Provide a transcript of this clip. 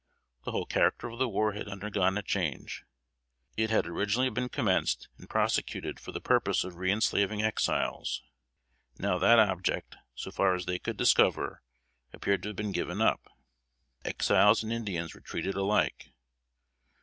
The whole character of the war had undergone a change. It had originally been commenced and prosecuted for the purpose of reënslaving Exiles: now that object, so far as they could discover, appeared to have been given up. Exiles and Indians were treated alike.